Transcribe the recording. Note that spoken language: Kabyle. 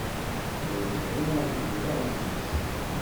D awezɣi ad idireɣ yid-s